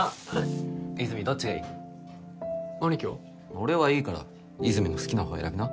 俺はいいから和泉の好きな方選びな